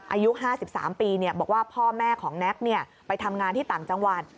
อายุ๕๓ปีบอกว่าพ่อแม่ของแน็กไปทำงานที่ต่างจังหวัด